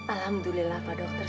alhamdulillah pak dokter